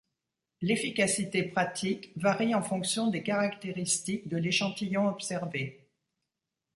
L'efficacité pratique varie en fonction des caractéristiques de l'échantillon observé.